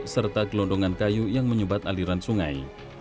serta gelondongan kayu yang menyebat aliran sungai